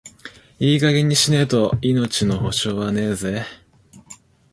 いい加減にしねえと、命の保証はねえぜ。